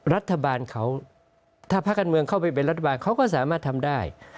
รัฐบาลเขาถ้าภาคการเมืองเข้าไปเป็นรัฐบาลเขาก็สามารถทำได้